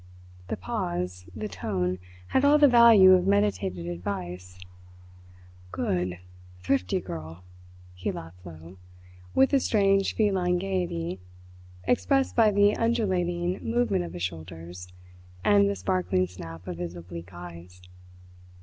The pause, the tone, had all the value of meditated advice. "Good, thrifty girl!" he laughed low, with a strange feline gaiety, expressed by the undulating movement of his shoulders and the sparkling snap of his oblique eyes.